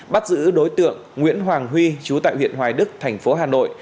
bắt giữ đối tượng nguyễn hoàng huy chú tại huyện hoài đức thành phố hà nội